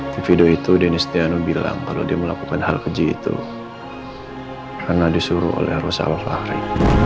di video itu deni stiano bilang kalau dia melakukan hal keji itu karena disuruh oleh rosal lari